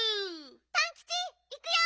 ・パンキチいくよ！